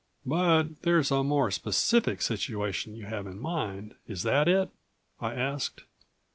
"But there's a more specific situation you have in mind, is that it?" I asked.